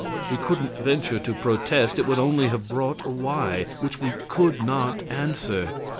We couldn't venture to protest; it would only have brought a "Why?" which we could not answer.